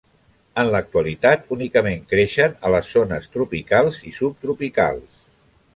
En l'actualitat, únicament creixen a les zones tropicals i subtropicals.